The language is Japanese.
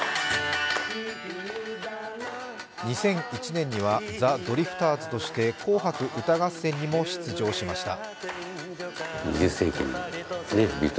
２００１年には、ザ・ドリフターズとして「紅白歌合戦」にも出場しました。